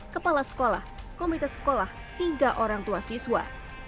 kepala sekolah komite sekolah hingga orang tua siswa